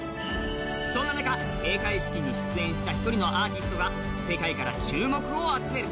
そんな中、閉会式に出演した１人のアーティストが世界から注目を集める。